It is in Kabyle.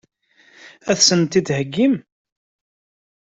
Ad sent-t-id-theggim?